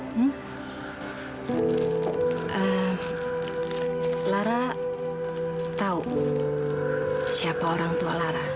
hmm lara tahu siapa orang tua lara